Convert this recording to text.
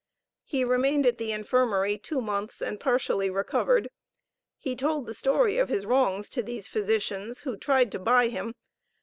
He remained at the infirmary two months and partially recovered. He told the story of his wrongs to these physicians, who tried to buy him.